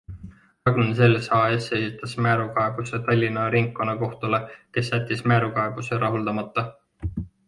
Ragn-Sells AS esitas määruskaebuse Tallinna ringkonnakohtule, kes jättis määruskaebuse rahuldamata.